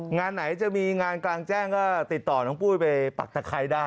งานไหนจะมีงานกลางแจ้งก็ติดต่อน้องปุ้ยไปปักตะไคร้ได้